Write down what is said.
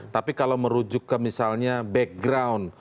tapi kalau merujuk ke misalnya background